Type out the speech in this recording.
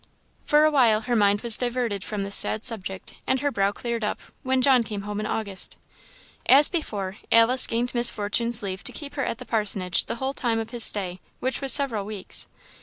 For a while her mind was diverted from this sad subject, and her brow cleared up, when John came home in August. As before, Alice gained Miss Fortune's leave to keep her at the parsonage the whole time of his stay, which was several weeks.